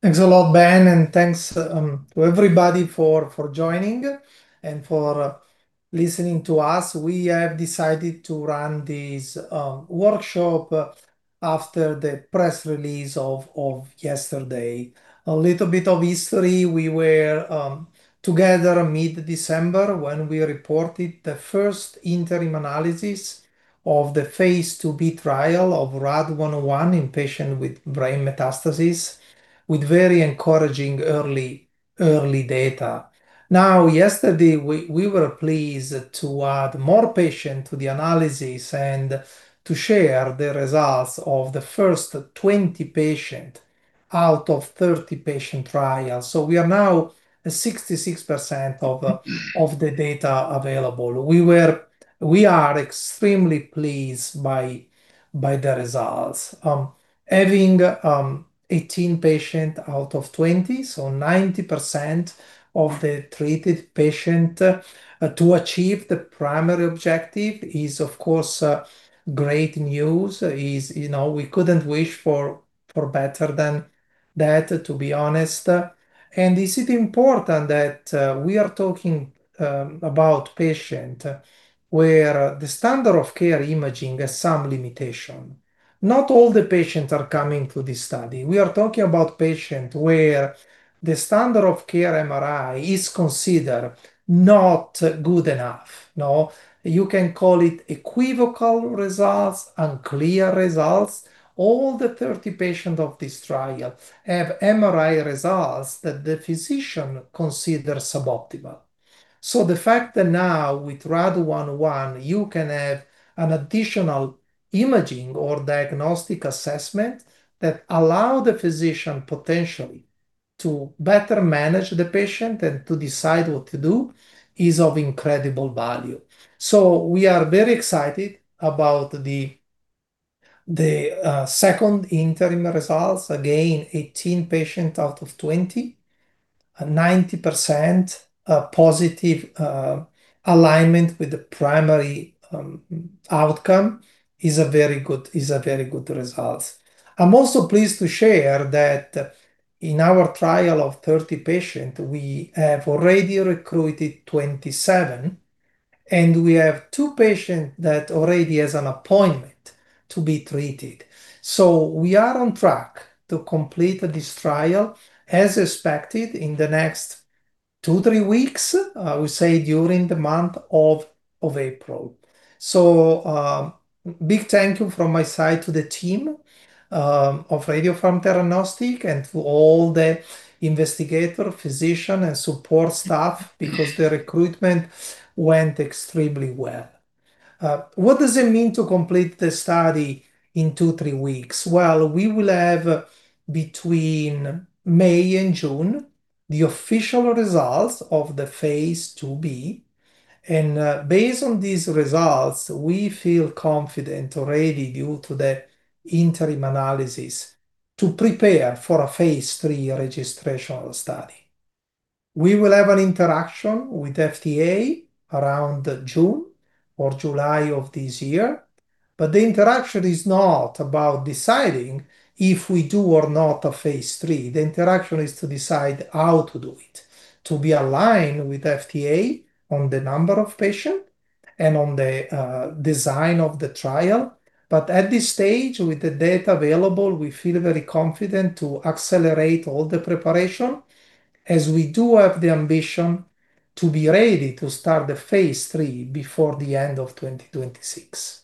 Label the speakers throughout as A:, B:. A: Thanks a lot, Ben, and thanks to everybody for joining and for listening to us. We have decided to run this workshop after the press release of yesterday. A little bit of history. We were together mid-December when we reported the first interim analysis of the phase II-B trial of RAD 101 in patients with brain metastases with very encouraging early data. Now, yesterday we were pleased to add more patients to the analysis and to share the results of the first 20 patients out of 30-patient trial. We are now 66% of the data available. We are extremely pleased by the results. Having 18 patients out of 20, so 90% of the treated patients to achieve the primary objective is, of course, great news, you know, we couldn't wish for better than that, to be honest. Is it important that we are talking about patients where the standard of care imaging has some limitation? Not all the patients are coming to this study. We are talking about patients where the standard of care MRI is considered not good enough. No. You can call it equivocal results, unclear results. All the 30 patients of this trial have MRI results that the physician consider suboptimal. The fact that now with RAD101 you can have an additional imaging or diagnostic assessment that allow the physician potentially to better manage the patient and to decide what to do is of incredible value. We are very excited about the second interim results. Again, 18 patients out of 20, 90% positive alignment with the primary outcome is a very good result. I'm also pleased to share that in our trial of 30 patients, we have already recruited 27, and we have two patients that already has an appointment to be treated. We are on track to complete this trial as expected in the next two to three weeks, we say during the month of April. Big thank you from my side to the team of Radiopharm Theranostics and to all the investigator, physician, and support staff because the recruitment went extremely well. What does it mean to complete the study two to three weeks? Well, we will have between May and June the official results of the phase II-B, and based on these results, we feel confident already due to the interim analysis to prepare for a phase III registrational study. We will have an interaction with FDA around June or July of this year, but the interaction is not about deciding if we do or not a phase III. The interaction is to decide how to do it, to be aligned with FDA on the number of patient and on the design of the trial. But at this stage, with the data available, we feel very confident to accelerate all the preparation as we do have the ambition to be ready to start the phase III before the end of 2026.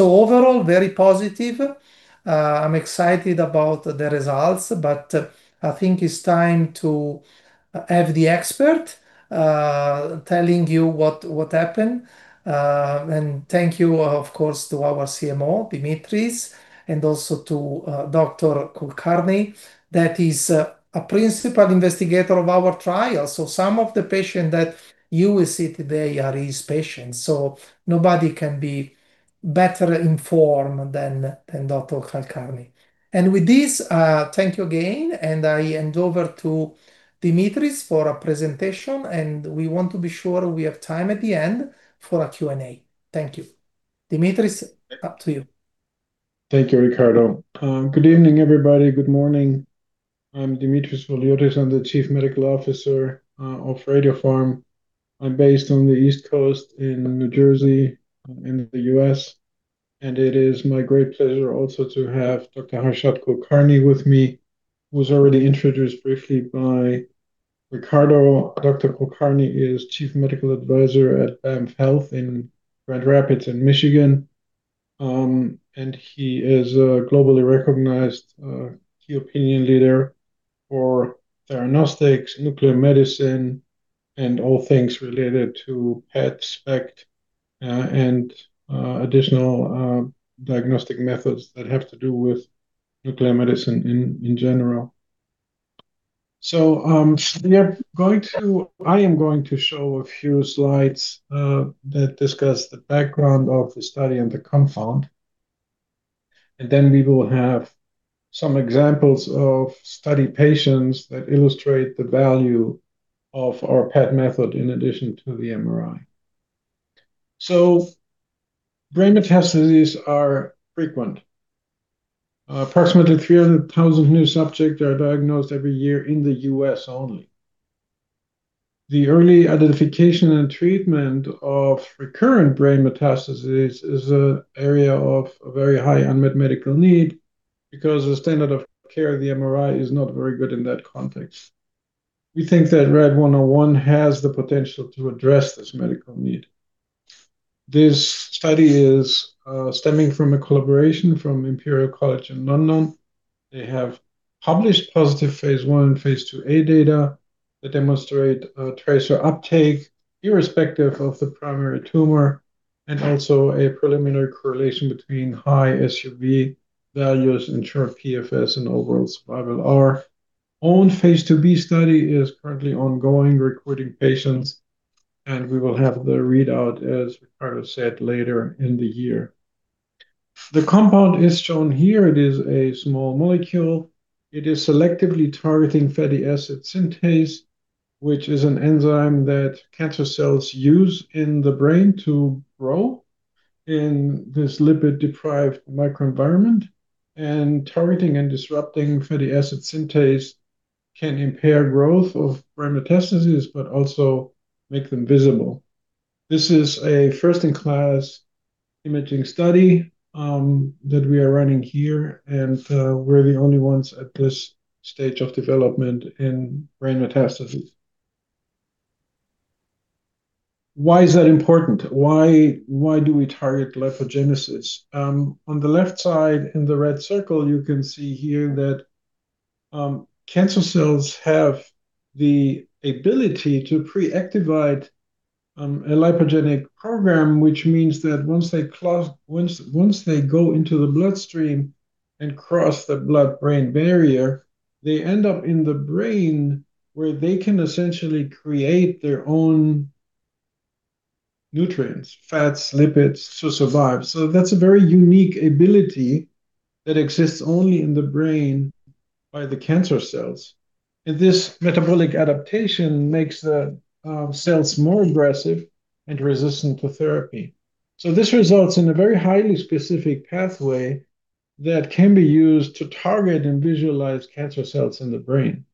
A: Overall, very positive. I'm excited about the results, but I think it's time to have the expert telling you what happened. Thank you, of course, to our CMO, Dimitris, and also to Dr. Kulkarni, that is a principal investigator of our trial. Some of the patient that you will see today are his patients, so nobody can be better informed than Dr. Kulkarni. With this, thank you again, and I hand over to Dimitris for a presentation, and we want to be sure we have time at the end for a Q&A. Thank you. Dimitris, up to you.
B: Thank you, Riccardo. Good evening, everybody. Good morning. I'm Dimitris Voliotis. I'm the Chief Medical Officer of Radiopharm. I'm based on the East Coast in New Jersey in the U.S. It is my great pleasure also to have Dr. Harshad Kulkarni with me, who was already introduced briefly by Riccardo. Dr. Kulkarni is Chief Medical Advisor at BAMF Health in Grand Rapids, Michigan. He is a globally recognized key opinion leader for theranostics, nuclear medicine, and all things related to PET, SPECT, and additional diagnostic methods that have to do with nuclear medicine in general. We are going to... I am going to show a few slides that discuss the background of the study and the compound, and then we will have some examples of study patients that illustrate the value of our PET method in addition to the MRI. Brain metastases are frequent. Approximately 300,000 new subjects are diagnosed every year in the U.S. only. The early identification and treatment of recurrent brain metastases is an area of a very high unmet medical need because the standard of care, the MRI, is not very good in that context. We think that RAD101 has the potential to address this medical need. This study is stemming from a collaboration from Imperial College London. They have published positive phase I and phase II-A data that demonstrate tracer uptake irrespective of the primary tumor, and also a preliminary correlation between high SUV values and shorter PFS and overall survival. Our own phase IIb study is currently ongoing, recruiting patients, and we will have the readout, as Riccardo said, later in the year. The compound is shown here. It is a small molecule. It is selectively targeting fatty acid synthase, which is an enzyme that cancer cells use in the brain to grow in this lipid-deprived microenvironment. Targeting and disrupting fatty acid synthase can impair growth of brain metastases, but also make them visible. This is a first-in-class imaging study that we are running here, and we're the only ones at this stage of development in brain metastases. Why is that important? Why do we target lipogenesis? On the left side in the red circle, you can see here that cancer cells have the ability to pre-activate a lipogenic program, which means that once they go into the bloodstream and cross the blood-brain barrier, they end up in the brain where they can essentially create their own nutrients, fats, lipids to survive. That's a very unique ability that exists only in the brain by the cancer cells. This metabolic adaptation makes the cells more aggressive and resistant to therapy. This results in a very highly specific pathway that can be used to target and visualize cancer cells in the brain.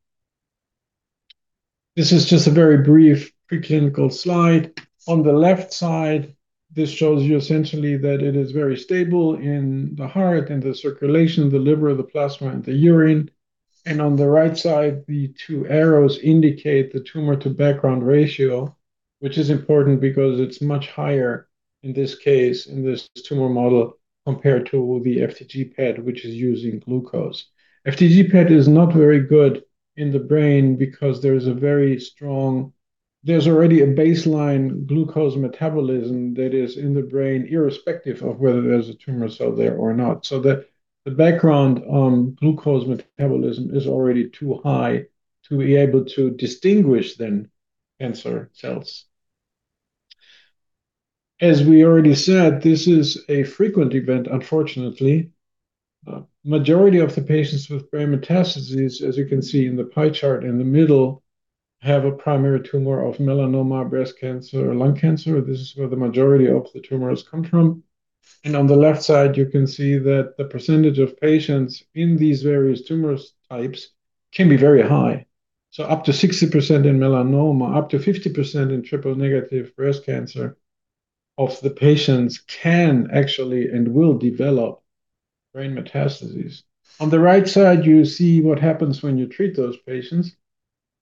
B: This is just a very brief preclinical slide. On the left side, this shows you essentially that it is very stable in the heart, in the circulation, the liver, the plasma, and the urine. On the right side, the two arrows indicate the tumor to background ratio, which is important because it's much higher in this case, in this tumor model, compared to the FDG PET, which is using glucose. FDG PET is not very good in the brain because there's already a baseline glucose metabolism that is in the brain, irrespective of whether there's a tumor cell there or not. The background glucose metabolism is already too high to be able to distinguish the cancer cells. As we already said, this is a frequent event, unfortunately. Majority of the patients with brain metastases, as you can see in the pie chart in the middle, have a primary tumor of melanoma, breast cancer, or lung cancer. This is where the majority of the tumors come from. On the left side, you can see that the percentage of patients in these various tumor types can be very high. Up to 60% in melanoma, up to 50% in triple-negative breast cancer of the patients can actually and will develop brain metastases. On the right side, you see what happens when you treat those patients.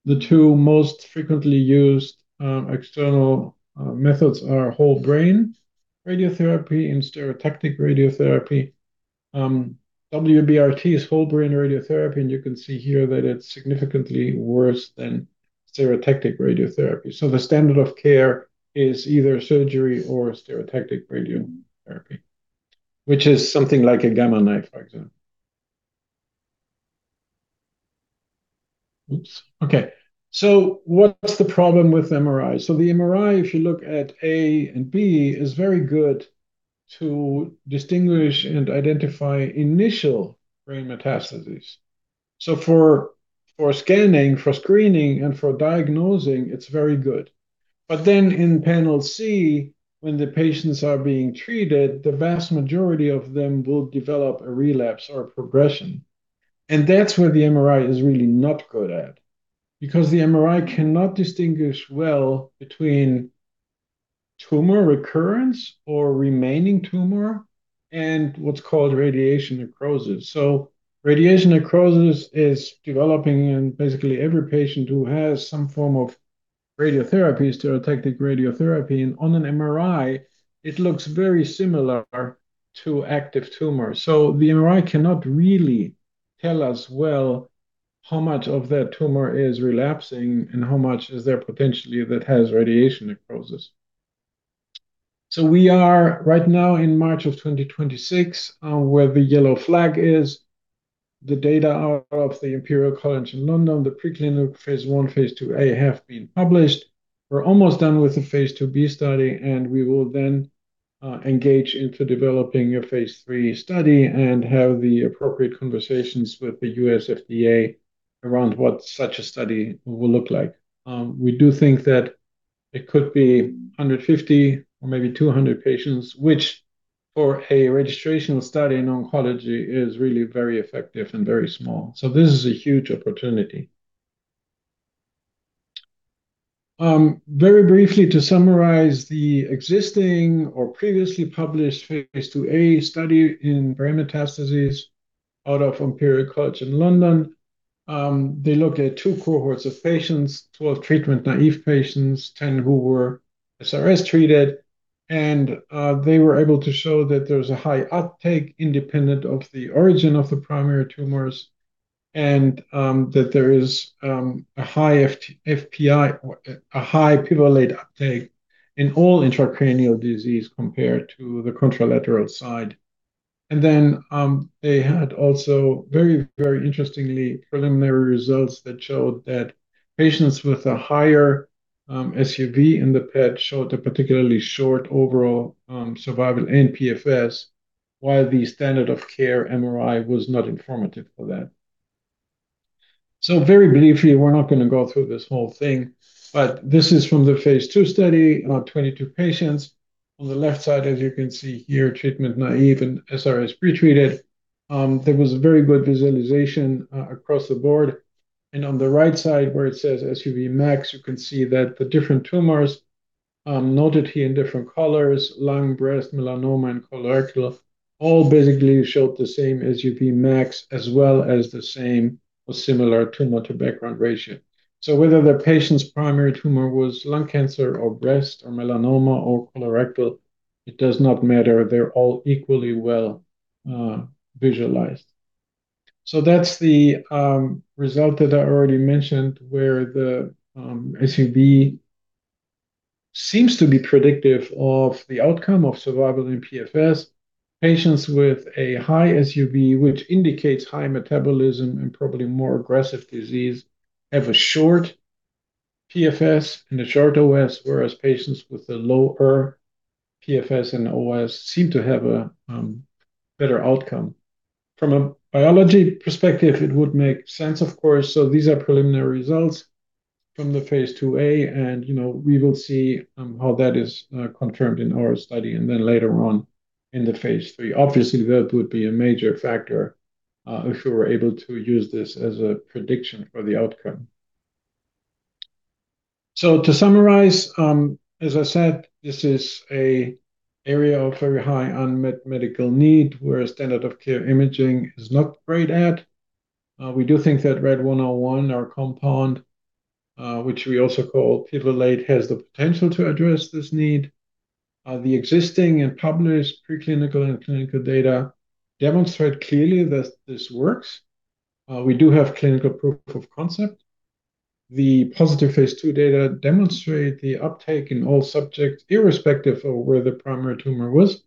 B: The two most frequently used external methods are whole brain radiotherapy and stereotactic radiotherapy. WBRT is whole brain radiotherapy, and you can see here that it's significantly worse than stereotactic radiotherapy. The standard of care is either surgery or stereotactic radiotherapy, which is something like a Gamma Knife, for example. Oops. Okay. What's the problem with MRI? The MRI, if you look at A and B, is very good to distinguish and identify initial brain metastases. For scanning, for screening, and for diagnosing, it's very good. In panel C, when the patients are being treated, the vast majority of them will develop a relapse or a progression. That's where the MRI is really not good at, because the MRI cannot distinguish well between tumor recurrence or remaining tumor and what's called radiation necrosis. Radiation necrosis is developing in basically every patient who has some form of radiotherapy, stereotactic radiotherapy. On an MRI, it looks very similar to active tumor. The MRI cannot really tell us, well, how much of that tumor is relapsing and how much is there potentially that has radiation necrosis. We are right now in March of 2026, where the yellow flag is. The data out of the Imperial College London, the preclinical phase I, phase II-A have been published. We're almost done with the phase II-B study, and we will then engage into developing a phase III study and have the appropriate conversations with the U.S. FDA around what such a study will look like. We do think that it could be 150 or maybe 200 patients, which for a registrational study in oncology is really very effective and very small. This is a huge opportunity. Very briefly to summarize the existing or previously published phase IIa study in brain metastases out of Imperial College London. They looked at two cohorts of patients, 12 treatment-naive patients, 10 who were SRS-treated, and they were able to show that there's a high uptake independent of the origin of the primary tumors and that there is a high Pivalate uptake in all intracranial disease compared to the contralateral side. They had also very interestingly preliminary results that showed that patients with a higher SUV in the PET showed a particularly short overall survival and PFS, while the standard of care MRI was not informative for that. Very briefly, we're not gonna go through this whole thing, but this is from the phase II study on 22 patients. On the left side, as you can see here, treatment-naive and SRS-pretreated. There was a very good visualization across the board. On the right side where it says SUV max, you can see that the different tumors noted here in different colors, lung, breast, melanoma, and colorectal, all basically showed the same SUV max as well as the same or similar tumor-to-background ratio. Whether the patient's primary tumor was lung cancer or breast or melanoma or colorectal, it does not matter. They're all equally well visualized. That's the result that I already mentioned, where the SUV seems to be predictive of the outcome of survival in PFS. Patients with a high SUV, which indicates high metabolism and probably more aggressive disease, have a short PFS and a short OS, whereas patients with a lower SUV seem to have a better outcome. From a biology perspective, it would make sense, of course. These are preliminary results from the phase II-A, and, you know, we will see how that is confirmed in our study and then later on in the phase III. Obviously, that would be a major factor if we were able to use this as a prediction for the outcome. To summarize, as I said, this is an area of very high unmet medical need where standard of care imaging is not great at. We do think that RAD101, our compound, which we also call Pivalate, has the potential to address this need. The existing and published preclinical and clinical data demonstrate clearly that this works. We do have clinical proof of concept. The positive phase II data demonstrate the uptake in all subjects irrespective of where the primary tumor was.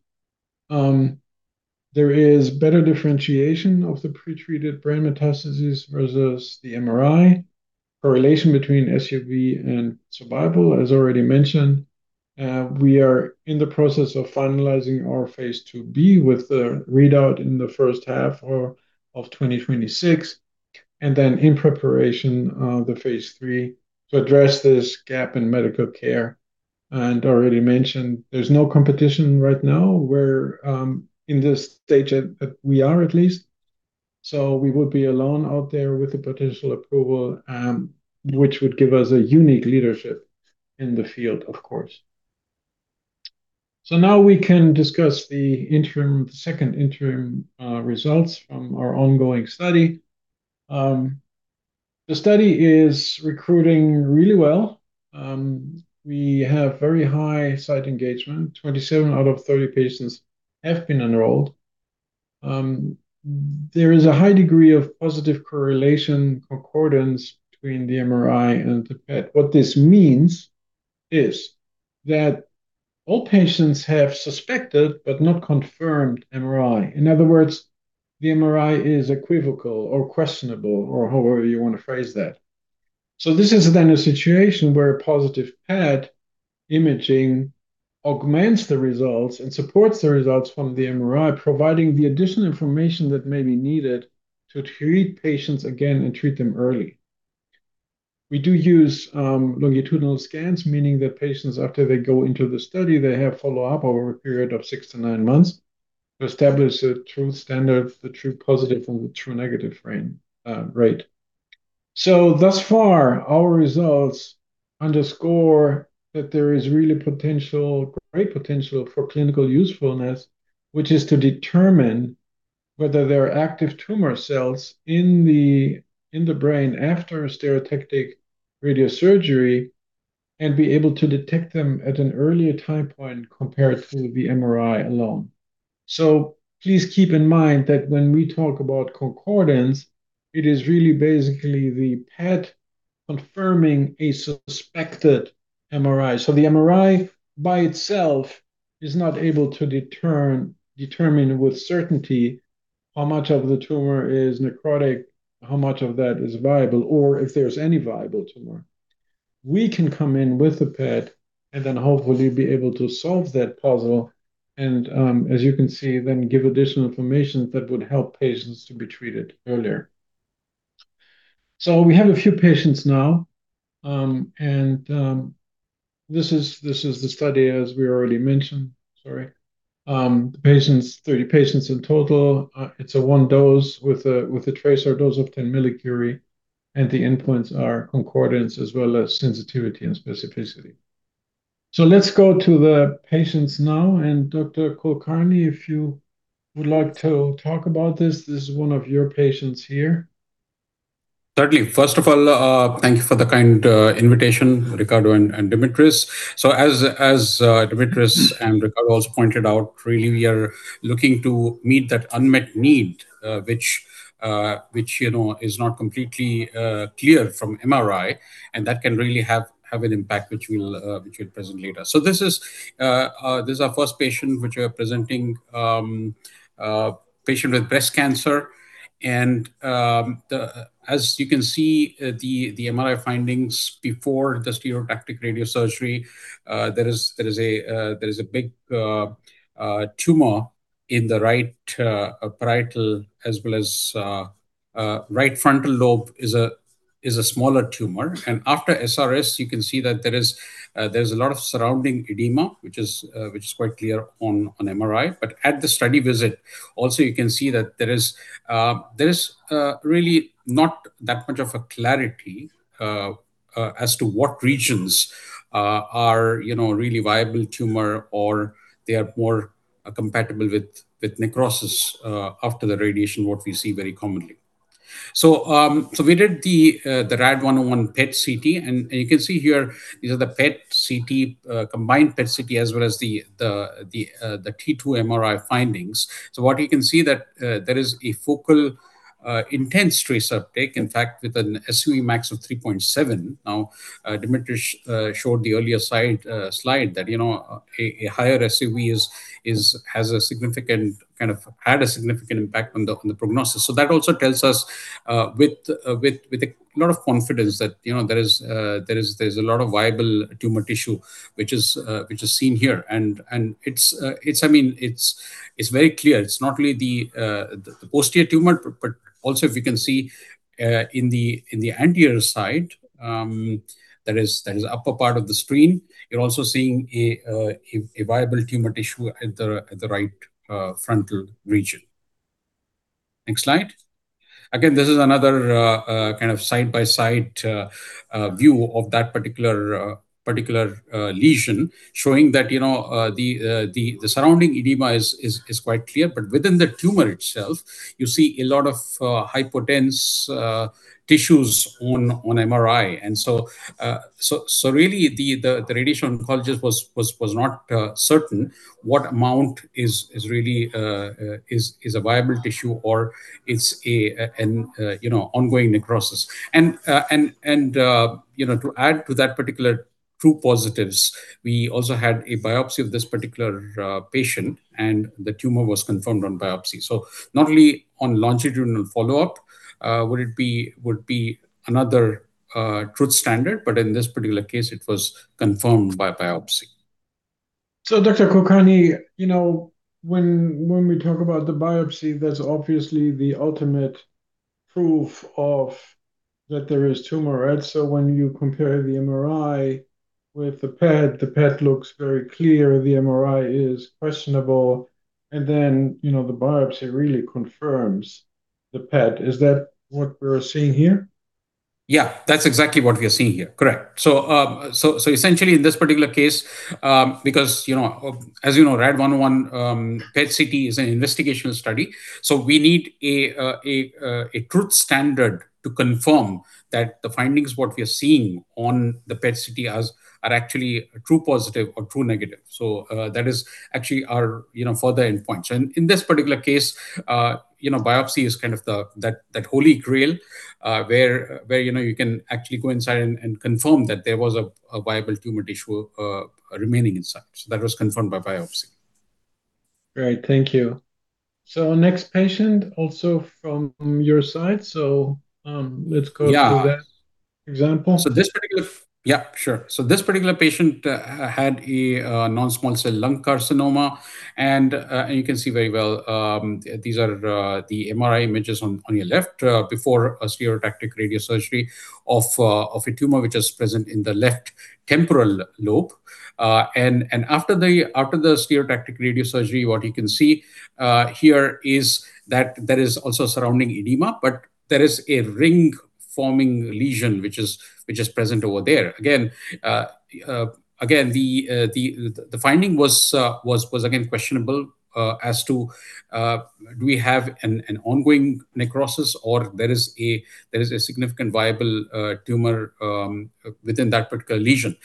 B: There is better differentiation of the pretreated brain metastases versus the MRI. Correlation between SUV and survival, as already mentioned. We are in the process of finalizing our phase II-B with the readout in the first half of 2026, and then in preparation of the phase III to address this gap in medical care. Already mentioned, there's no competition right now where in this stage we are at least. We would be alone out there with the potential approval, which would give us a unique leadership in the field, of course. Now we can discuss the second interim results from our ongoing study. The study is recruiting really well. We have very high site engagement. 27 out of 30 patients have been enrolled. There is a high degree of positive correlation concordance between the MRI and the PET. What this means is that all patients have suspected but not confirmed MRI. In other words, the MRI is equivocal or questionable or however you wanna phrase that. This is then a situation where positive PET imaging augments the results and supports the results from the MRI, providing the additional information that may be needed to treat patients again and treat them early. We do use longitudinal scans, meaning that patients, after they go into the study, they have follow-up over a period of six to nine months to establish the true standard, the true positive from the true negative frame rate. Thus far, our results underscore that there is really great potential for clinical usefulness, which is to determine whether there are active tumor cells in the brain after stereotactic radiosurgery and be able to detect them at an earlier time point compared to the MRI alone. Please keep in mind that when we talk about concordance, it is really basically the PET confirming a suspected MRI. The MRI by itself is not able to determine with certainty how much of the tumor is necrotic, how much of that is viable, or if there's any viable tumor. We can come in with a PET, and then hopefully be able to solve that puzzle, and as you can see, then give additional information that would help patients to be treated earlier. We have a few patients now and this is the study as we already mentioned. Sorry. 30 patients in total. It's a one dose with a tracer dose of 10 millicurie, and the endpoints are concordance as well as sensitivity and specificity. Let's go to the patients now, and Dr. Kulkarni, if you would like to talk about this is one of your patients here.
C: Certainly. First of all, thank you for the kind invitation, Riccardo and Dimitris. As Dimitris and Riccardo also pointed out, really we are looking to meet that unmet need, which you know is not completely clear from MRI, and that can really have an impact which we'll present later. This is our first patient which we are presenting, patient with breast cancer, and as you can see, the MRI findings before the stereotactic radiosurgery, there is a big tumor in the right parietal as well as a smaller tumor in the right frontal lobe. After SRS, you can see that there is a lot of surrounding edema, which is quite clear on MRI. At the study visit, also you can see that there is really not that much of a clarity as to what regions are, you know, really viable tumor or they are more compatible with necrosis after the radiation, what we see very commonly. We did the RAD101 PET-CT, and you can see here, these are the PET-CT combined PET-CT as well as the T2 MRI findings. What you can see that there is a focal intense tracer uptake, in fact, with an SUV max of 3.7. Now, Dimitris showed the earlier slide that, you know, a higher SUV has a significant impact on the prognosis. That also tells us with a lot of confidence that, you know, there's a lot of viable tumor tissue, which is seen here. It's, I mean, very clear. It's not really the posterior tumor, but also if you can see, in the anterior side, that is upper part of the screen, you're also seeing a viable tumor tissue at the right frontal region. Next slide. This is another kind of side-by-side view of that particular lesion showing that, you know, the surrounding edema is quite clear, but within the tumor itself, you see a lot of hypointense tissues on MRI. Really, the radiation oncologist was not certain what amount is really a viable tissue or it's an ongoing necrosis. To add to that particular true positive, we also had a biopsy of this particular patient, and the tumor was confirmed on biopsy. Not only on longitudinal follow-up would it be another ground truth, but in this particular case it was confirmed by biopsy.
B: Dr. Kulkarni, you know, when we talk about the biopsy, that's obviously the ultimate proof of that there is tumor, right? When you compare the MRI with the PET, the PET looks very clear, the MRI is questionable, and then, you know, the biopsy really confirms the PET. Is that what we are seeing here?
C: Yeah, that's exactly what we are seeing here. Correct. Essentially in this particular case, because, you know, as you know, RAD101 PET-CT is an investigational study, so we need a truth standard to confirm that the findings what we are seeing on the PET-CT are actually true positive or true negative. That is actually our, you know, further endpoint. In this particular case, you know, biopsy is kind of that holy grail, where, you know, you can actually go inside and confirm that there was a viable tumor tissue remaining inside. That was confirmed by biopsy.
B: Great. Thank you. Next patient also from your side. Let's go to that example.
C: This particular patient had a non-small cell lung carcinoma, and you can see very well these are the MRI images on your left before a stereotactic radiosurgery of a tumor which is present in the left temporal lobe. After the stereotactic radiosurgery, what you can see here is that there is also surrounding edema, but there is a ring-forming lesion which is present over there. Again, the finding was again questionable as to do we have an ongoing necrosis or there is a significant viable tumor within that particular lesion.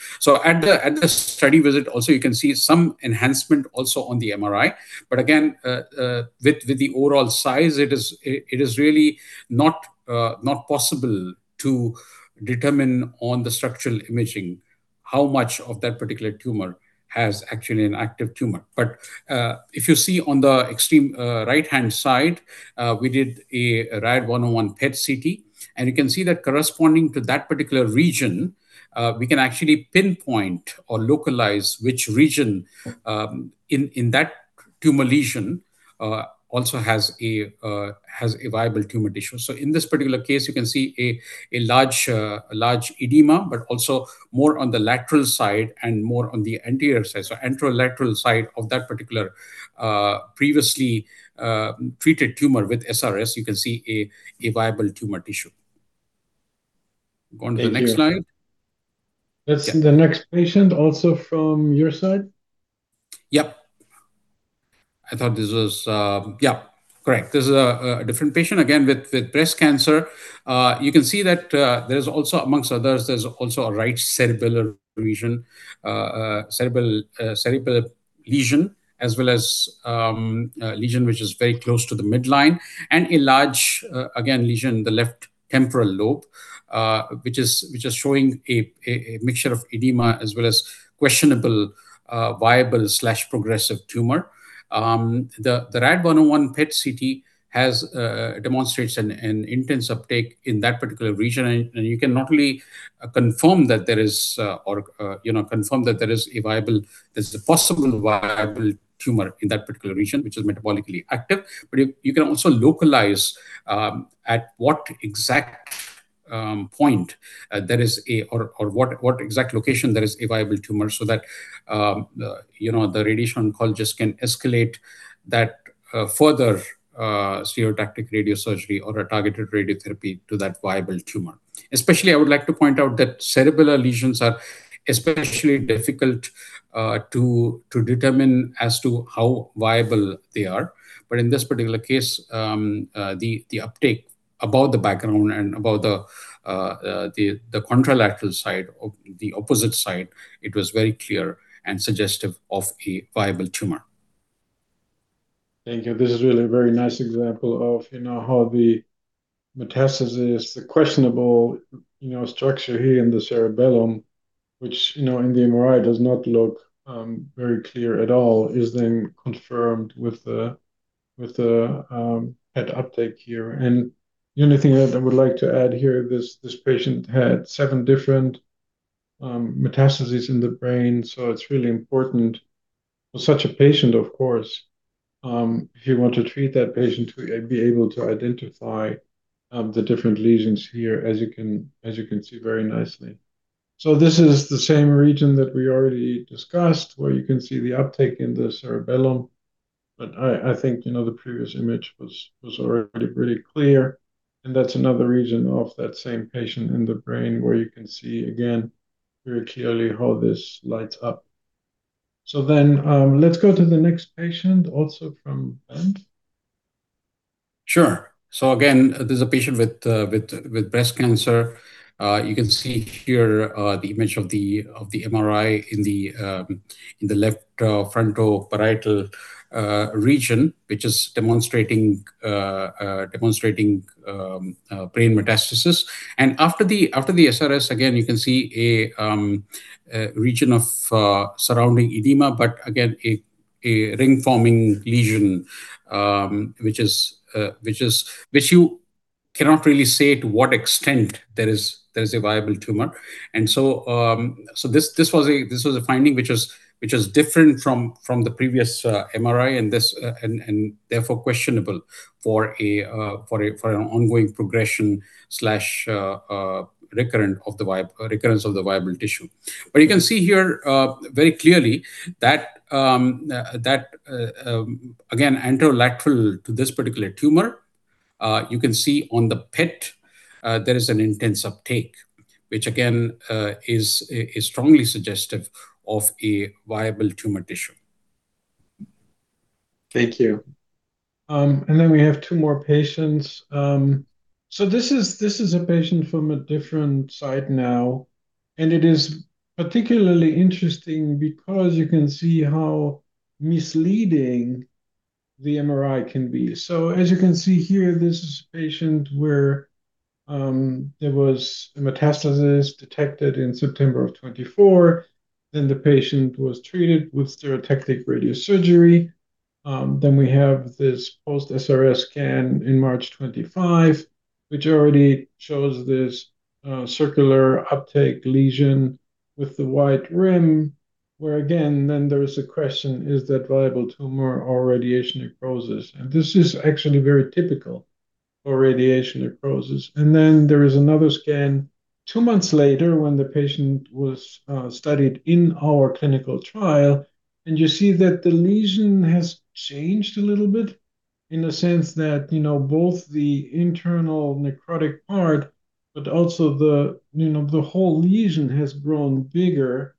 C: At the study visit, you can see some enhancement on the MRI, but again, with the overall size, it is really not possible to determine on the structural imaging how much of that particular tumor has actually an active tumor. If you see on the extreme right-hand side, we did a RAD101 PET-CT, and you can see that corresponding to that particular region, we can actually pinpoint or localize which region in that tumor lesion also has a viable tumor tissue. In this particular case you can see a large edema, but also more on the lateral side and more on the anterior side. Anterolateral side of that particular, previously, treated tumor with SRS, you can see a viable tumor tissue. Go on to the next slide.
B: Thank you. That's the next patient also from your side?
C: Yep. I thought this was. Yep, correct. This is a different patient, again with breast cancer. You can see that there's also among others, there's also a right cerebellar lesion, cerebral lesion as well as lesion which is very close to the midline, and a large again lesion in the left temporal lobe, which is showing a mixture of edema as well as questionable viable/progressive tumor. The RAD101 PET-CT demonstrates an intense uptake in that particular region, and you can not only confirm, you know, that there is a possible viable tumor in that particular region which is metabolically active. But you can also localize at what exact point there is a, what exact location there is a viable tumor so that you know the radiation oncologist can escalate that further stereotactic radiosurgery or a targeted radiotherapy to that viable tumor. Especially I would like to point out that cerebellar lesions are especially difficult to determine as to how viable they are, but in this particular case, the uptake above the background and above the contralateral side or the opposite side, it was very clear and suggestive of a viable tumor.
B: Thank you. This is really a very nice example of, you know, how the metastasis, the questionable, you know, structure here in the cerebellum, which, you know, in the MRI does not look very clear at all, is then confirmed with the PET uptake here. The only thing that I would like to add here, this patient had seven different metastases in the brain, so it's really important for such a patient, of course, if you want to treat that patient to be able to identify the different lesions here, as you can see very nicely. This is the same region that we already discussed, where you can see the uptake in the cerebellum. I think, you know, the previous image was already pretty clear. That's another region of that same patient in the brain, where you can see again very clearly how this lights up. Let's go to the next patient, also from Ben.
C: Sure. Again, this is a patient with breast cancer. You can see here the image of the MRI in the left frontoparietal region, which is demonstrating brain metastasis. After the SRS, again you can see a region of surrounding edema, but again a ring-forming lesion, which you cannot really say to what extent there is a viable tumor. This was a finding which is different from the previous MRI, and therefore questionable for an ongoing progression slash recurrence of the viable tissue. You can see here very clearly that, again, anterolateral to this particular tumor, you can see on the PET there is an intense uptake, which again is strongly suggestive of a viable tumor tissue.
B: Thank you. We have two more patients. This is a patient from a different site now, and it is particularly interesting because you can see how misleading the MRI can be. As you can see here, this is a patient where there was a metastasis detected in September of 2024, then the patient was treated with stereotactic radiosurgery. We have this post-SRS scan in March 2025, which already shows this circular uptake lesion with the white rim, where again there is a question. Is that viable tumor or radiation necrosis? This is actually very typical for radiation necrosis. Then there is another scan two months later when the patient was studied in our clinical trial, and you see that the lesion has changed a little bit in the sense that, you know, both the internal necrotic part but also the, you know, the whole lesion has grown bigger,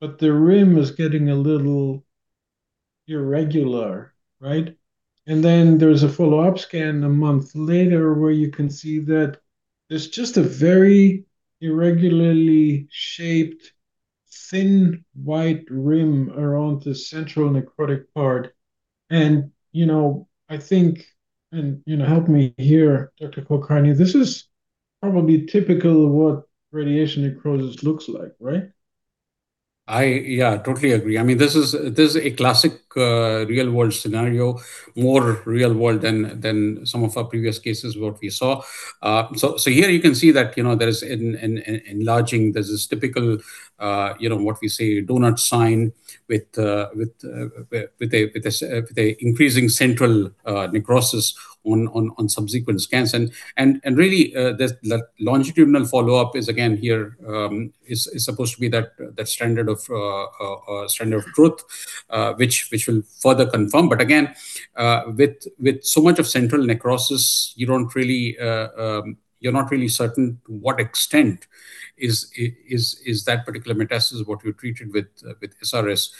B: but the rim is getting a little irregular, right? Then there's a follow-up scan a month later, where you can see that there's just a very irregularly shaped thin white rim around the central necrotic part. You know, I think, you know, help me here, Dr. Kulkarni, this is probably typical of what radiation necrosis looks like, right?
C: Yeah, totally agree. I mean, this is a classic real-world scenario, more real-world than some of our previous cases that we saw. Here you can see that, you know, there is enlarging. There's this typical, you know, what we say doughnut sign with increasing central necrosis on subsequent scans. Really, the longitudinal follow-up is again here supposed to be that standard of truth, which will further confirm. Again, with so much central necrosis you don't really, you're not really certain to what extent is that particular metastasis that you treated with SRS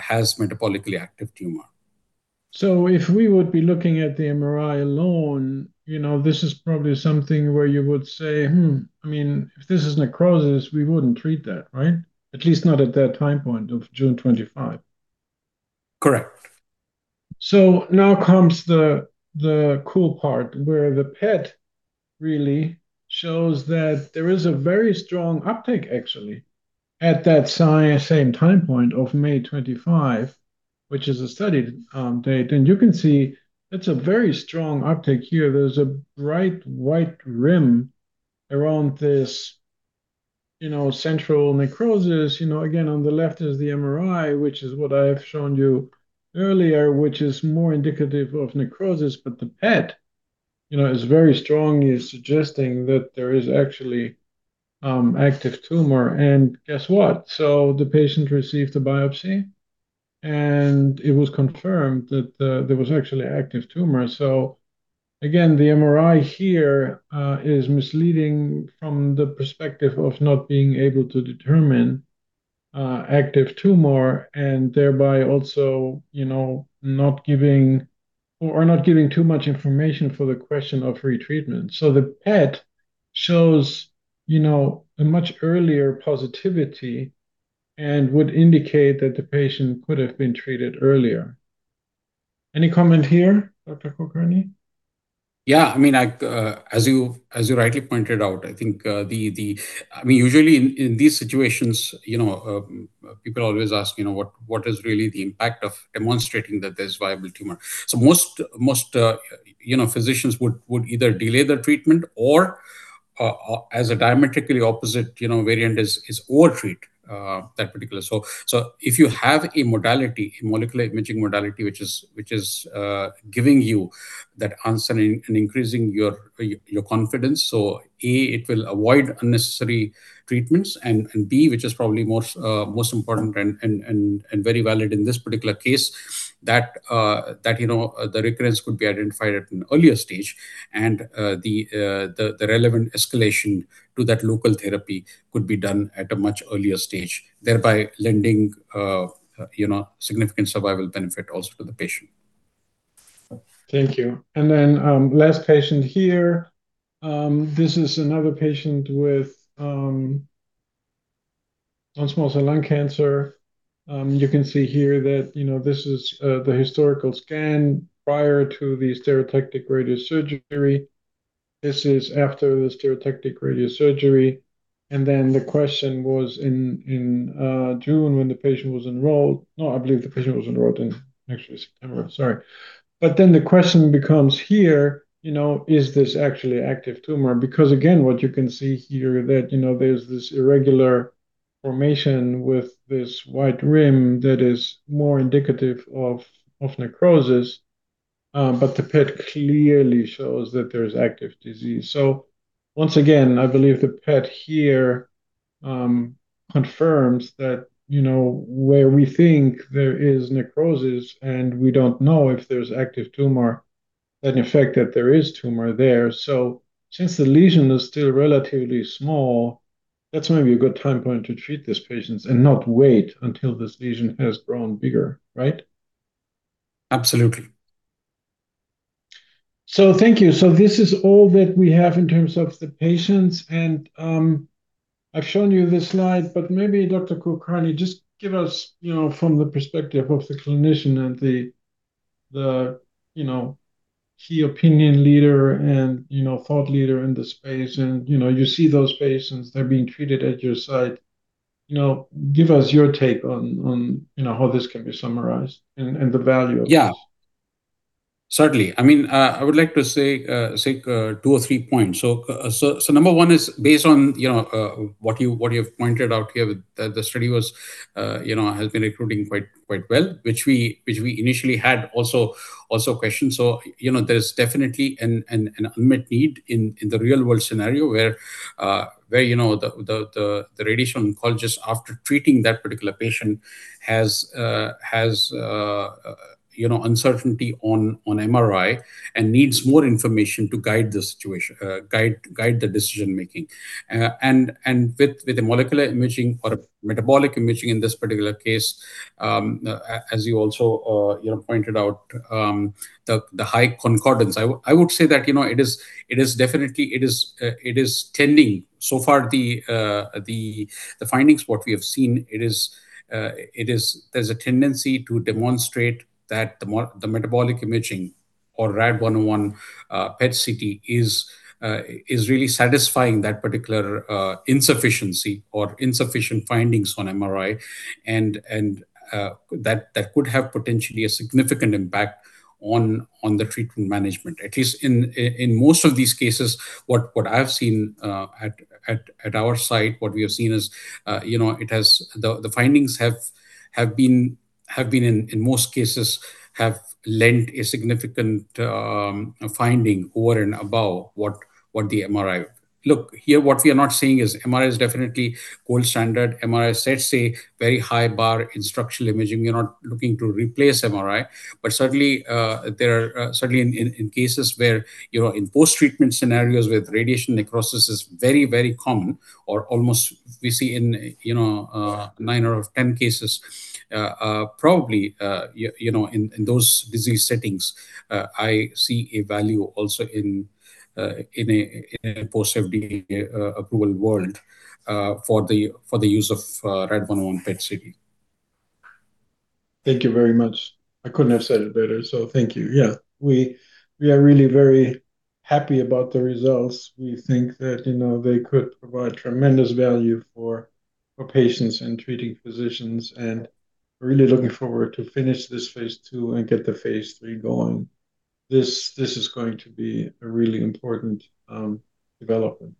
C: has metabolically active tumor.
B: If we would be looking at the MRI alone, you know, this is probably something where you would say, "Hmm, I mean, if this is necrosis, we wouldn't treat that, right?" At least not at that time point of June 25.
C: Correct.
B: Now comes the cool part where the PET really shows that there is a very strong uptake actually at that same time point of May 25, which is a studied date. You can see that's a very strong uptake here. There's a bright white rim around this, you know, central necrosis. You know, again, on the left is the MRI, which is what I have shown you earlier, which is more indicative of necrosis. The PET, you know, is very strongly suggesting that there is actually active tumor. Guess what. The patient received a biopsy, and it was confirmed that there was actually active tumor. Again, the MRI here is misleading from the perspective of not being able to determine active tumor and thereby also, you know, not giving too much information for the question of retreatment. The PET shows, you know, a much earlier positivity and would indicate that the patient could have been treated earlier. Any comment here, Dr. Kulkarni?
C: Yeah. I mean, as you rightly pointed out, I think, I mean, usually in these situations, you know, people always ask, you know, what is really the impact of demonstrating that there's viable tumor? Most, you know, physicians would either delay the treatment or, as a diametrically opposite, you know, variant is overtreat that particular. If you have a modality, a molecular imaging modality which is giving you that answer and increasing your confidence. A, it will avoid unnecessary treatments, and B, which is probably most important and very valid in this particular case that you know the recurrence could be identified at an earlier stage and the relevant escalation to that local therapy could be done at a much earlier stage, thereby lending you know significant survival benefit also to the patient.
B: Thank you. Last patient here. This is another patient with non-small cell lung cancer. You can see here that, you know, this is the historical scan prior to the stereotactic radiosurgery. This is after the stereotactic radiosurgery. The question was in June when the patient was enrolled. No, I believe the patient was enrolled in actually September. Sorry. The question becomes here, you know, is this actually active tumor? Because again, what you can see here that, you know, there's this irregular formation with this white rim that is more indicative of necrosis, but the PET clearly shows that there's active disease. Once again, I believe the PET here confirms that, you know, where we think there is necrosis, and we don't know if there's active tumor, that in effect there is tumor there. Since the lesion is still relatively small, that's maybe a good time point to treat these patients and not wait until this lesion has grown bigger, right?
C: Absolutely.
B: Thank you. This is all that we have in terms of the patients. I've shown you this slide, but maybe Dr. Kulkarni, just give us, you know, from the perspective of the clinician and the, you know, key opinion leader and, you know, thought leader in this space, and, you know, you see those patients, they're being treated at your site. You know, give us your take on, you know, how this can be summarized and the value of this.
C: Yeah. Certainly. I mean, I would like to say two or three points. So, number one is based on, you know, what you've pointed out here with the study, you know, has been recruiting quite well, which we initially had also questioned. So, you know, there's definitely an unmet need in the real-world scenario where, you know, the radiation oncologist after treating that particular patient has, you know, uncertainty on MRI and needs more information to guide the situation, to guide the decision-making. And with the molecular imaging or metabolic imaging in this particular case, as you also, you know, pointed out, the high concordance. I would say that, you know, it is definitely tending. So far the findings what we have seen it is there's a tendency to demonstrate that the metabolic imaging or RAD101 PET CT is really satisfying that particular insufficiency or insufficient findings on MRI, and that could have potentially a significant impact on the treatment management. At least in most of these cases, what I've seen at our site, what we have seen is, you know, the findings have been in most cases lent a significant finding over and above what the MRI. Look, here, what we are not seeing is MRI is definitely gold standard. MRI sets a very high bar in structural imaging. We're not looking to replace MRI, but certainly there are certainly in cases where, you know, in post-treatment scenarios with radiation necrosis is very, very common or almost we see in, you know, nine out of ten cases, probably, you know, in those disease settings, I see a value also in a post-FDA approval world, for the use of RAD101 PET-CT.
B: Thank you very much. I couldn't have said it better, so thank you. Yeah. We are really very happy about the results. We think that, you know, they could provide tremendous value for patients and treating physicians, and we're really looking forward to finish this phase II and get the phase III going. This is going to be a really important development.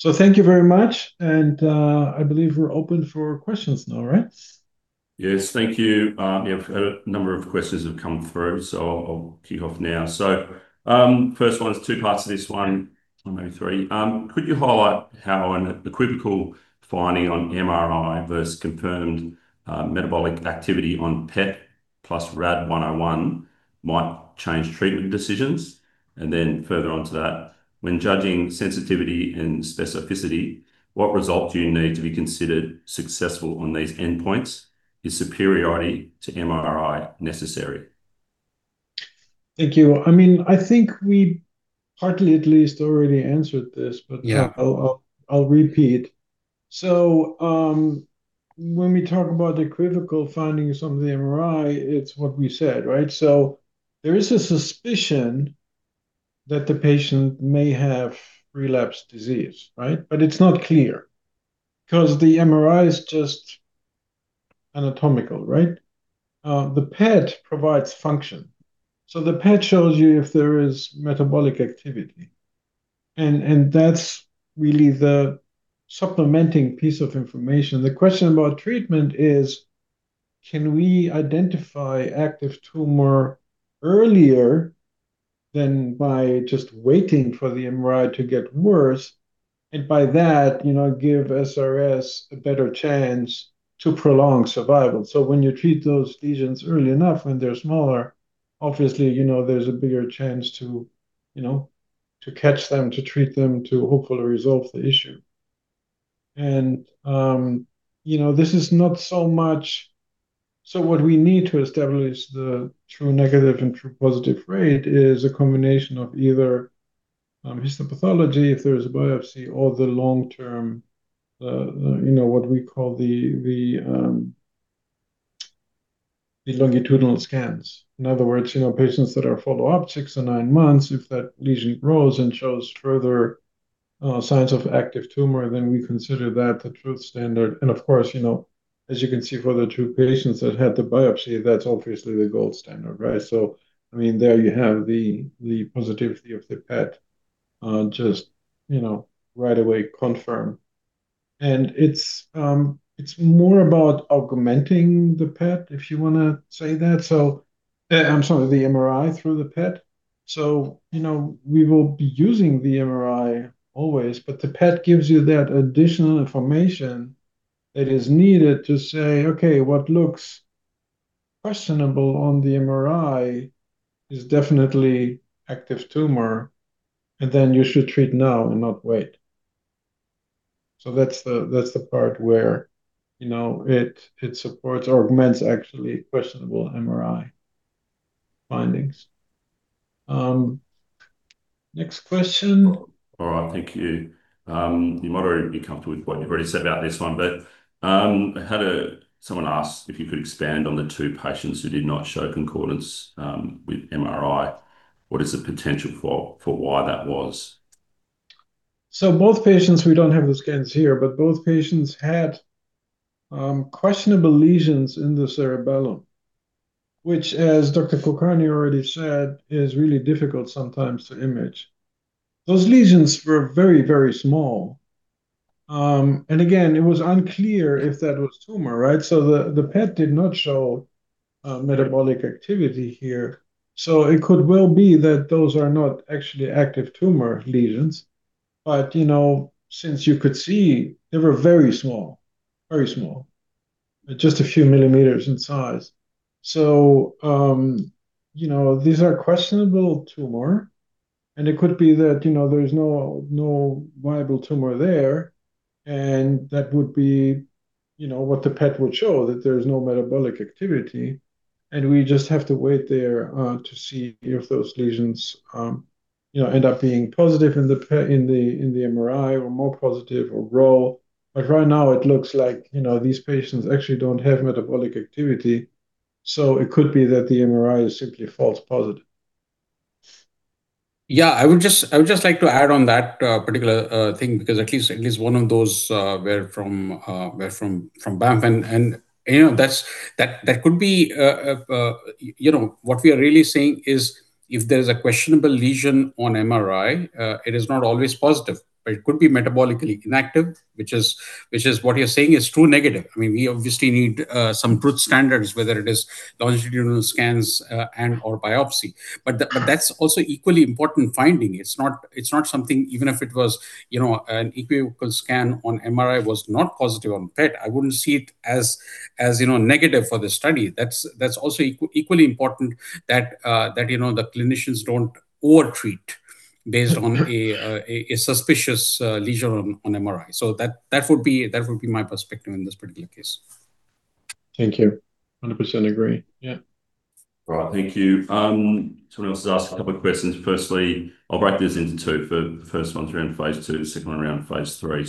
B: Thank you very much, and I believe we're open for questions now, right?
D: Yes. Thank you. A number of questions have come through, so I'll kick off now. First one is two parts to this one or maybe three. Could you highlight how an equivocal finding on MRI versus confirmed metabolic activity on PET plus RAD101 might change treatment decisions? And then further onto that, when judging sensitivity and specificity, what result do you need to be considered successful on these endpoints? Is superiority to MRI necessary?
B: Thank you. I mean, I think we partly at least already answered this. I'll repeat. When we talk about equivocal findings on the MRI, it's what we said, right? There is a suspicion that the patient may have relapsed disease, right? It's not clear 'cause the MRI is just anatomical, right? The PET provides function. The PET shows you if there is metabolic activity, and that's really the supplementing piece of information. The question about treatment is, can we identify active tumor earlier than by just waiting for the MRI to get worse, and by that, you know, give SRS a better chance to prolong survival? When you treat those lesions early enough, when they're smaller, obviously, you know, there's a bigger chance to, you know, to catch them, to treat them, to hopefully resolve the issue. You know, this is not so much... What we need to establish the true negative and true positive rate is a combination of either histopathology if there's a biopsy or the long-term you know what we call the longitudinal scans. In other words, you know, patients that are follow-up six or nine months, if that lesion grows and shows further signs of active tumor, then we consider that the true standard. Of course, you know, as you can see for the two patients that had the biopsy, that's obviously the gold standard, right? I mean, there you have the positivity of the PET just you know right away confirmed. It's more about augmenting the PET, if you wanna say that. I'm sorry, the MRI through the PET. You know, we will be using the MRI always, but the PET gives you that additional information that is needed to say, "Okay, what looks questionable on the MRI is definitely active tumor, and then you should treat now and not wait." That's the part where, you know, it supports or augments actually questionable MRI findings. Next question.
D: All right. Thank you. You might already be comfortable with what you've already said about this one, but I had someone ask if you could expand on the two patients who did not show concordance with MRI. What is the potential for why that was?
B: Both patients, we don't have the scans here, but both patients had questionable lesions in the cerebellum, which as Dr. Kulkarni already said, is really difficult sometimes to image. Those lesions were very, very small. Again, it was unclear if that was tumor, right? The PET did not show metabolic activity here. It could well be that those are not actually active tumor lesions. You know, since you could see, they were very small. Very small. Just a few millimeters in size. You know, these are questionable tumor, and it could be that, you know, there is no viable tumor there, and that would be, you know, what the PET would show, that there's no metabolic activity. We just have to wait there to see if those lesions, you know, end up being positive in the in the MRI or more positive or true. But right now it looks like, you know, these patients actually don't have metabolic activity. It could be that the MRI is simply a false positive.
C: Yeah. I would just like to add on that particular thing because at least one of those were from BAMF and you know that could be what we are really saying is if there is a questionable lesion on MRI, it is not always positive. It could be metabolically inactive, which is what you're saying is true negative. I mean, we obviously need some truth standards, whether it is longitudinal scans and/or biopsy. But that's also equally important finding. It's not something even if it was you know an equivocal scan on MRI was not positive on PET. I wouldn't see it as you know negative for the study. That's also equally important that you know, the clinicians don't overtreat based on a suspicious lesion on MRI. So that would be my perspective in this particular case.
B: Thank you. 100% agree. Yeah.
D: Right. Thank you. Someone else has asked a couple of questions. Firstly, I'll break this into two. For the first one is around phase II, the second one around phase III.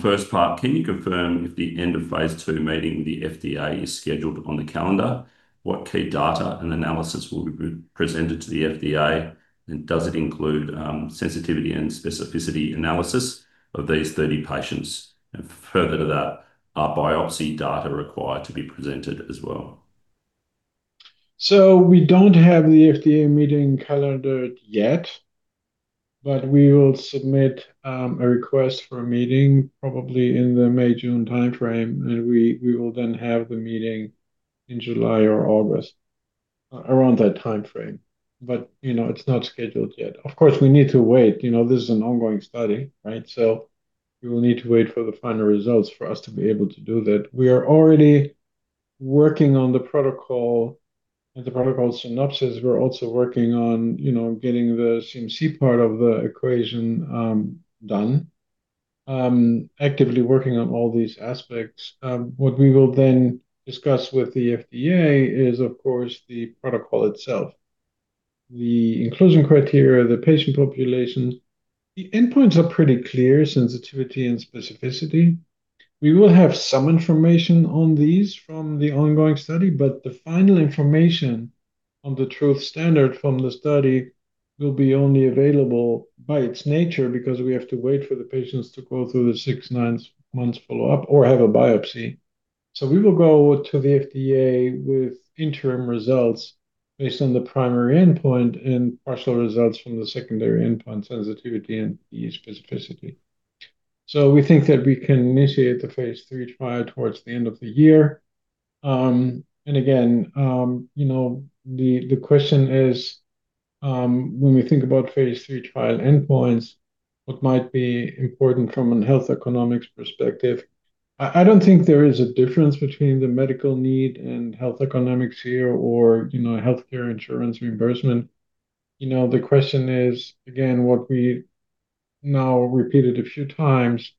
D: First part, can you confirm if the end of phase II meeting with the FDA is scheduled on the calendar? What key data and analysis will be presented to the FDA? And does it include sensitivity and specificity analysis of these 30 patients? And further to that, are biopsy data required to be presented as well?
B: We don't have the FDA meeting calendared yet, but we will submit a request for a meeting probably in the May, June timeframe, and we will then have the meeting in July or August, around that timeframe. You know, it's not scheduled yet. Of course, we need to wait. You know, this is an ongoing study, right? We will need to wait for the final results for us to be able to do that. We are already working on the protocol, the protocol synopsis. We're also working on, you know, getting the CMC part of the equation, done. Actively working on all these aspects. What we will then discuss with the FDA is, of course, the protocol itself, the inclusion criteria, the patient population. The endpoints are pretty clear, sensitivity and specificity. We will have some information on these from the ongoing study, but the final information on the truth standard from the study will be only available by its nature because we have to wait for the patients to go through the six to nine months follow-up or have a biopsy. We will go to the FDA with interim results based on the primary endpoint and partial results from the secondary endpoint sensitivity and the specificity. We think that we can initiate the phase III trial towards the end of the year. Again, you know, the question is, when we think about phase III trial endpoints, what might be important from a health economics perspective. I don't think there is a difference between the medical need and health economics here or, you know, healthcare insurance reimbursement. You know, the question is, again, what we now repeated a few times,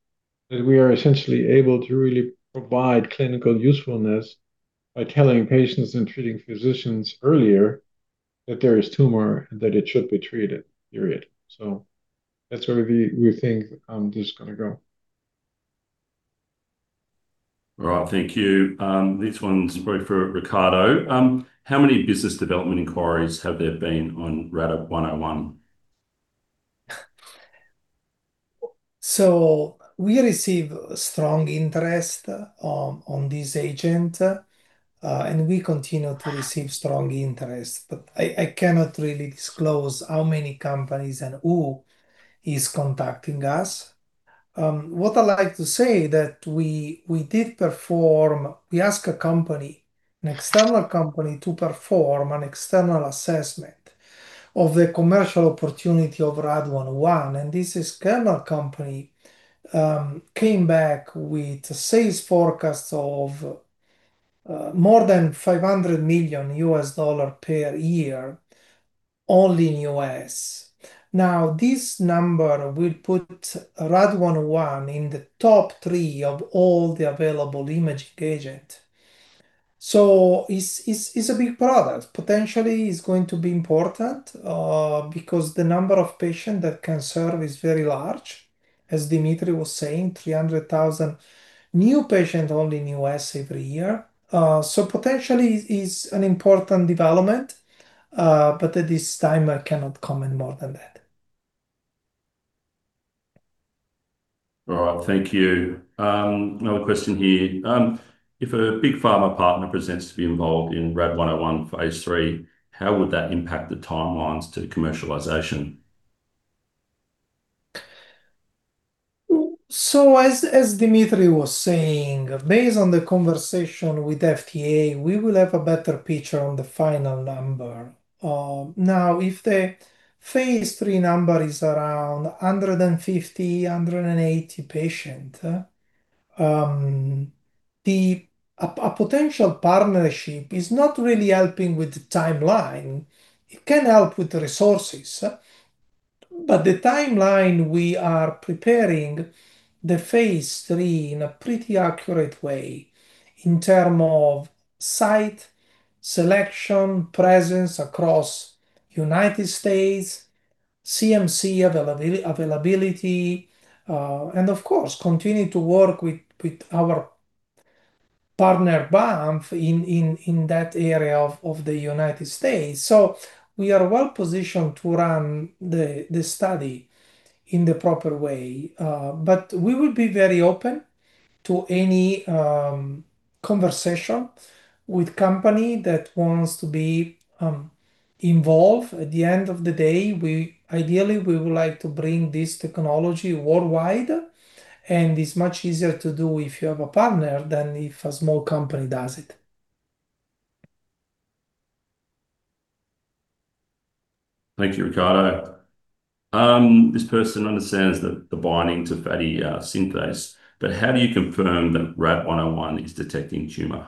B: that we are essentially able to really provide clinical usefulness by telling patients and treating physicians earlier that there is tumor and that it should be treated, period. That's where we think this is gonna go.
D: All right. Thank you. This one's probably for Riccardo. How many business development inquiries have there been on RAD101?
A: We receive strong interest on this agent and we continue to receive strong interest, but I cannot really disclose how many companies and who is contacting us. What I'd like to say is that we ask a company, an external company, to perform an external assessment of the commercial opportunity of RAD101, and this external company came back with sales forecasts of more than $500 million per year only in U.S. Now, this number will put RAD101 in the top three of all the available imaging agent. It's a big product. Potentially, it's going to be important because the number of patient that can serve is very large, as Dimitris was saying, 300,000 new patient only in U.S. every year. Potentially it's an important development, but at this time I cannot comment more than that.
D: All right. Thank you. Another question here. If a big pharma partner presents to be involved in RAD101 phase III, how would that impact the timelines to commercialization?
A: As Dimitris was saying, based on the conversation with FDA, we will have a better picture on the final number. Now, if the phase III number is around 150-180 patient, a potential partnership is not really helping with the timeline. It can help with the resources. The timeline we are preparing the phase III in a pretty accurate way in terms of site selection, presence across United States, CMC availability, and of course continue to work with our partner, BAMF, in that area of the United States. We are well-positioned to run the study in the proper way. We will be very open to any conversation with company that wants to be involved. At the end of the day, we ideally would like to bring this technology worldwide, and it's much easier to do if you have a partner than if a small company does it.
D: Thank you, Riccardo. This person understands the binding to fatty acid synthase, but how do you confirm that RAD101 is detecting tumor?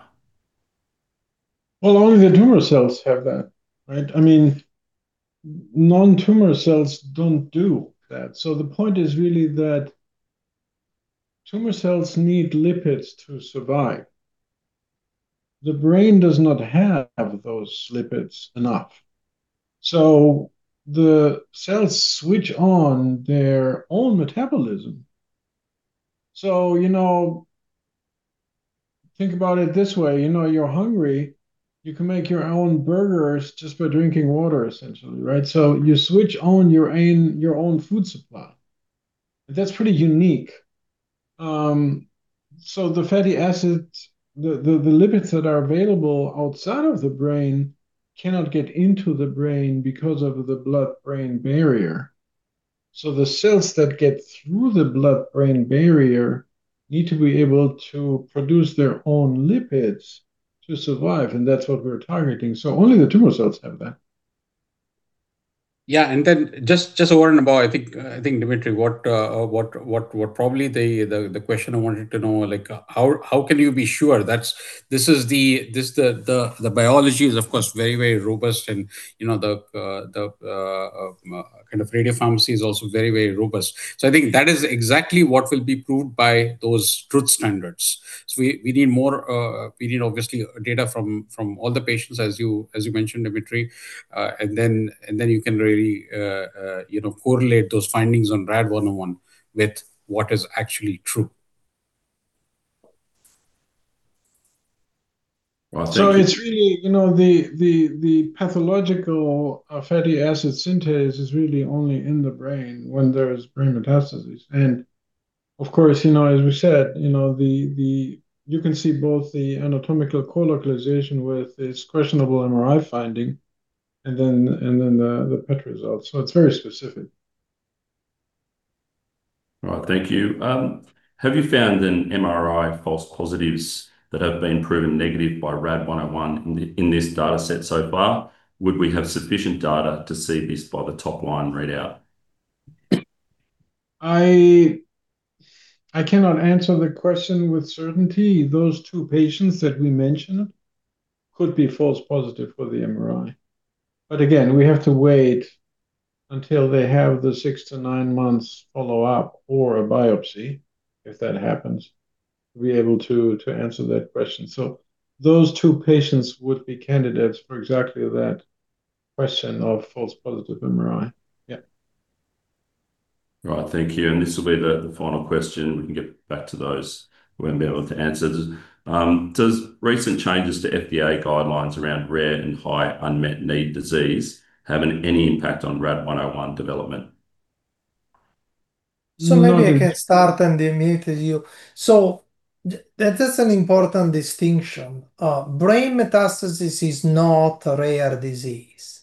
B: Well, only the tumor cells have that, right? I mean, non-tumor cells don't do that. The point is really that tumor cells need lipids to survive. The brain does not have those lipids enough, so the cells switch on their own metabolism. You know, think about it this way, you know you're hungry, you can make your own burgers just by drinking water essentially, right? You switch on your own food supply. That's pretty unique. The fatty acids, the lipids that are available outside of the brain cannot get into the brain because of the blood-brain barrier. The cells that get through the blood-brain barrier need to be able to produce their own lipids to survive, and that's what we're targeting. Only the tumor cells have that.
C: Just one. I think, Dimitris, what probably the question I wanted to know, like how can you be sure. The biology is of course very, very robust and, you know, the kind of radiopharmacy is also very, very robust. I think that is exactly what will be proved by those truth standards. We need obviously data from all the patients, as you mentioned, Dimitris. You can really, you know, correlate those findings on RAD101 with what is actually true.
D: Well, thank you.
B: It's really, you know, the pathological fatty acid synthase is really only in the brain when there's brain metastases. Of course, you know, as we said, you know, you can see both the anatomical co-localization with this questionable MRI finding and then the PET results. It's very specific.
D: Right. Thank you. Have you found in MRI false positives that have been proven negative by RAD101 in this data set so far? Would we have sufficient data to see this by the top line readout?
B: I cannot answer the question with certainty. Those two patients that we mentioned could be false positive for the MRI. Again, we have to wait until they have the six to nine months follow-up or a biopsy, if that happens, to be able to answer that question. Those two patients would be candidates for exactly that question of false positive MRI. Yeah.
D: Right. Thank you. This will be the final question. We can get back to those we won't be able to answer. Does recent changes to FDA guidelines around rare and high unmet need disease having any impact on RAD101 development?
A: Maybe I can start and then, Dimitris, to you. That's an important distinction. Brain metastases is not a rare disease.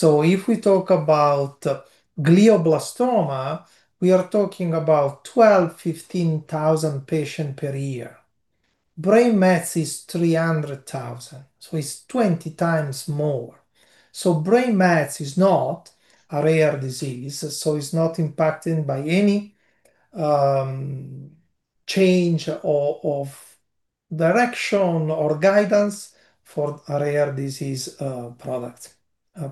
A: If we talk about glioblastoma, we are talking about 12,000-15,000 patients per year. Brain mets is 300,000, so it's 20 times more. Brain mets is not a rare disease, so it's not impacted by any change or redirection or guidance for a rare disease product.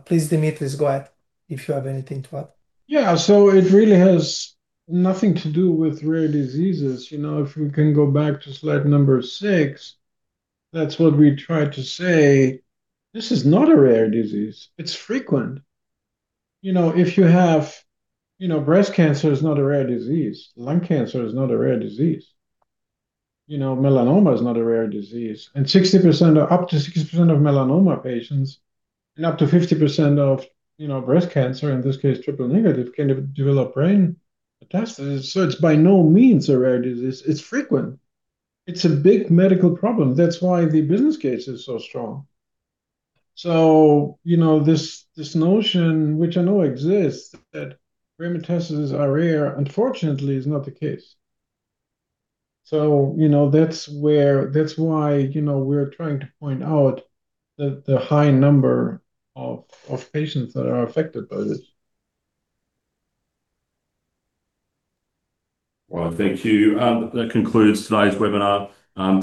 A: Please, Dimitris, go ahead if you have anything to add.
B: Yeah. It really has nothing to do with rare diseases. You know, if we can go back to slide number six, that's what we try to say. This is not a rare disease. It's frequent. Breast cancer is not a rare disease. Lung cancer is not a rare disease. You know, melanoma is not a rare disease. 60% or up to 60% of melanoma patients and up to 50% of, you know, breast cancer, in this case triple-negative, can develop brain metastasis. It's by no means a rare disease. It's frequent. It's a big medical problem. That's why the business case is so strong. You know, this notion, which I know exists, that brain metastases are rare, unfortunately, is not the case. You know, that's why, you know, we're trying to point out the high number of patients that are affected by this.
D: Well, thank you. That concludes today's webinar.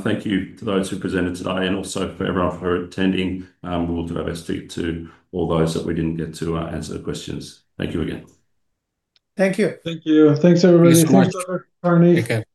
D: Thank you to those who presented today and also for everyone for attending. We will do our best to get to all those that we didn't get to answer the questions. Thank you again.
A: Thank you.
B: Thank you. Thanks, everybody.
C: Thanks so much.
B: Thanks, Pardon me.
C: Take care.